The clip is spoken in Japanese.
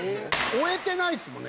追えてないですもんね